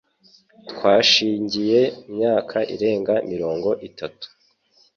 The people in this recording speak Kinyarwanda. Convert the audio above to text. Twashyingiwe imyaka irenga mirongo itatu.